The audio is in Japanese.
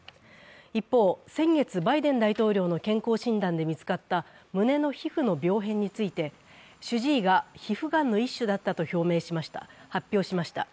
一方、先月バイデン大統領の健康診断で見つかった胸の皮膚の病変について主治医が皮膚がんの一種だったと発表しました。